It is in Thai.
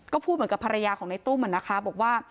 ก็พูดเหมือนกับภรรยาของในตุ้มนะคะบอกว่า